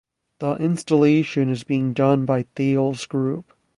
The installation is being done by Thales Group.